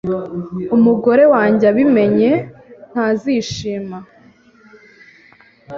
Umugore wanjye abimenye, ntazishima